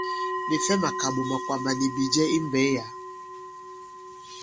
Ɓè fɛ màkàɓò, màkwàmbà nì bìjɛ i mbɛ̌ yǎ.